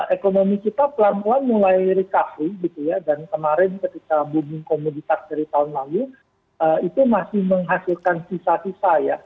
ekonomi kita pelan pelan mulai recovery gitu ya dan kemarin ketika booming komoditas dari tahun lalu itu masih menghasilkan sisa sisa ya